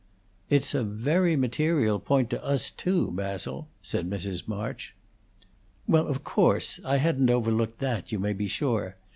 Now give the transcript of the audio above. "It's a very material point to us too, Basil," said Mrs. March. "Well, of course. I hadn't overlooked that, you may be sure.